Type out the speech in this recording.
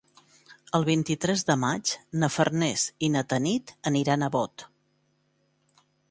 El vint-i-tres de maig na Farners i na Tanit aniran a Bot.